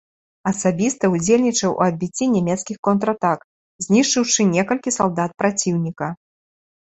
Асабіста ўдзельнічаў у адбіцці нямецкіх контратак, знішчыўшы некалькі салдат праціўніка.